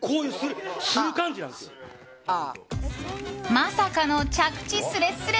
まさかの着地すれすれ